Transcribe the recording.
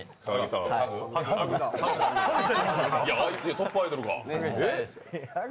トップアイドルが。